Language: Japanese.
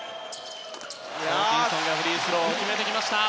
ホーキンソンがフリースロー決めてきました。